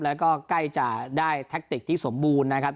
แล้วก็ใกล้จะได้แท็กติกที่สมบูรณ์นะครับ